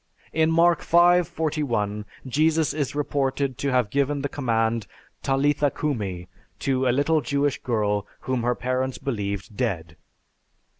In Mark V:41, Jesus is reported to have given the command "Talitha cumi" to a little Jewish girl whom her parents believed dead.